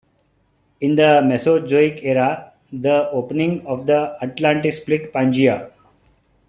In the Mesozoic Era, the opening of the Atlantic split Pangea.